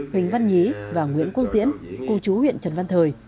huỳnh văn nhí và nguyễn quốc diễn cùng chú huyện trần văn thời